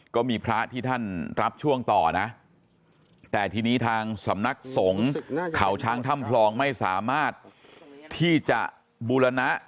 ก็มีพระที่ท่านรับช่วงต่อนะแต่ทีนี้ทางสำนักสงฆ์เขาช้างถ้ำพลองไม่สามารถที่จะบูรณะ